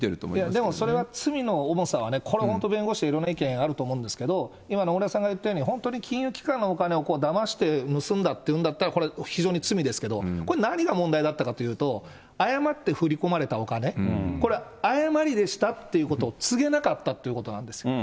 でも、それは罪の重さは、これ本当、弁護士、いろんな意見があると思うんですけど、今の野村さんが言ったように、本当に金融機関のお金をだまして盗んだっていうんだったら、これ非常に罪ですけれども、これ、何が問題だったかっていうと、誤って振り込まれたお金、これ誤りでしたっていうことを告げなかったっていうこそうですよ。